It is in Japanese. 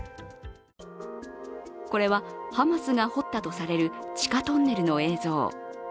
これはハマスが掘ったとされる地下トンネルの映像。